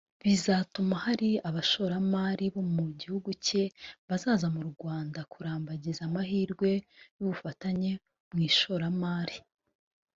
bizatuma hari abashoramari bo mu gihugu cye bazaza mu Rwanda kurambagiza amahirwe y’ubufatanye mu ishoramari